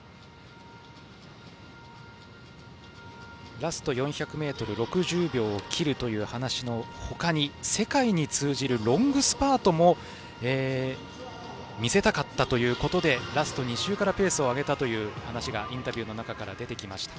ラスト４００ｍ６０秒を切るという話の他に世界に通じるロングスパートも見せたかったということでラスト２周からペースを上げたという話がインタビューの中に出てきました。